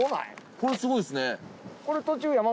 これすごいっすね。